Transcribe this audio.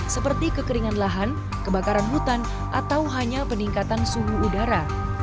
seperti kekeringan lahan kebakaran hutan atau hanya peningkatan suhu udara